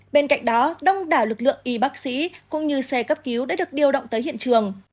bên cạnh đó đông đảo lực lượng y bác sĩ cũng như xe cấp cứu đã được điều động tới hiện trường